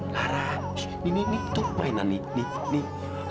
lara nih tuh mainan nih